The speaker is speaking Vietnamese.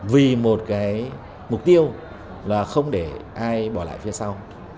vì một cái mục tiêu là không để ai bỏ lại phía sau